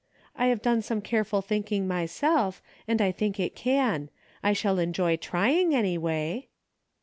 "I have done some careful thinking myself, and I think it can. I shall enjoy trying, any way."